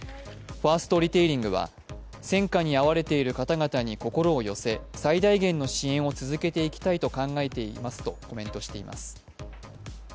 ファーストリテイリングは戦火に遭われている方々に心を寄せ、最大限の支援を続けていきたいと考えていますとコメントしています。